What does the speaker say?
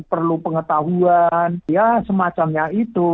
perlu pengetahuan ya semacamnya itu